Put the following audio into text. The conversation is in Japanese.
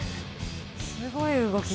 すごい動き。